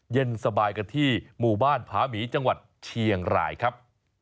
เย็นสบายกันที่หมู่บ้านผาหมีจังหวัดเชียงรายครับ